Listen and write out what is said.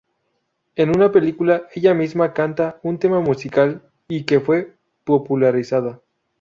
En una película ella misma cantó un tema musical y que fue popularizada.